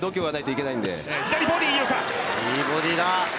いいボディだ！